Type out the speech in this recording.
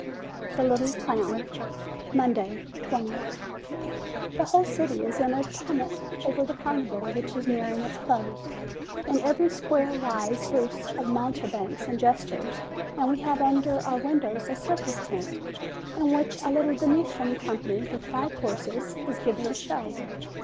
THE LITTLE CLOWN Monday, 2oth. The whole city is in a tumult over the Carnival, which is nearing its close. In every square rise booths of mountebanks and jesters; and we have under our windows a circus tent, in which a little Venetian company, with five horses, is giving a show.